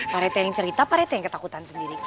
parete yang cerita parete yang ketakutan sendiri